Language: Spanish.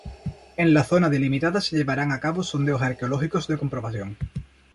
En la zona delimitada se llevarán a cabo sondeos arqueológicos de comprobación.